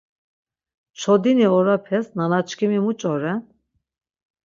Çodini orapes nanaçkimi muç̌o ren?